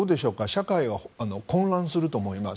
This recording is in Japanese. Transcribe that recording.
社会は混乱すると思います。